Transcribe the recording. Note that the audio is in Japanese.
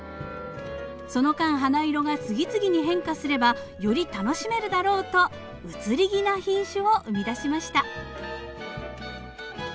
その間花色が次々に変化すればより楽しめるだろうと「移り気」な品種を生み出しました。